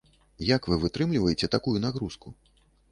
Як вы вытрымліваеце такую нагрузку?